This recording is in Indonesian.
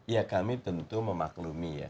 ya kami tentu memaklumi ya